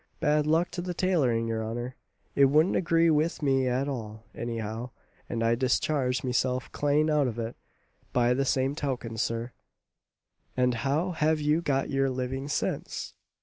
"Bad luck to the tailoring, your honour, it wouldn't agree with me at all, anyhow, and I discharged meself clane out of it, by the same token, Sir." "And how have you got your living since?"